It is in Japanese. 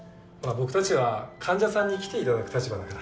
僕たちは患者さんに来て頂く立場だから。